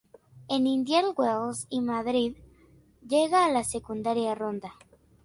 En Indian Wells y Madrid, llega a la secunda ronda.